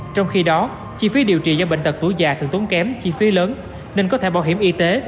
trong khi đó chi phí điều trị do bệnh tật tuổi già thường tốn kém chi phí lớn nên có thể bảo hiểm y tế